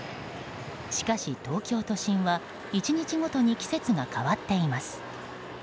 しかし、東京都心は１日ごとに季節が変わっています。